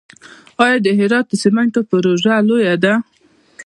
آیا د هرات د سمنټو پروژه لویه ده؟